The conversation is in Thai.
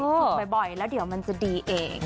ฝึกบ่อยแล้วเดี๋ยวมันจะดีเอง